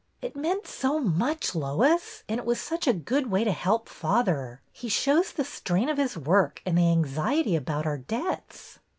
" It meant so much, Lois. It was such a good way to help father. He shows the strain of his work and the anxiety about our debts."